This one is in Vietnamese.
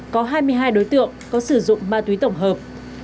có hai mươi hai đối tượng có sử dụng ma túy tổng hợp